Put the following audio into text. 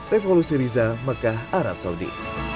revolusi riza mekah arab saudi